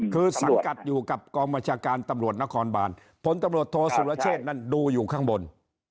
คือสังกัดอยู่กับกองบัญชาการตำรวจนครบานผลตำรวจโทษสุรเชษนั้นดูอยู่ข้างบน